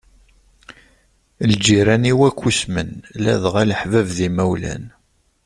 Lǧiran-iw akk usmen, ladɣa leḥbab d yimawlan.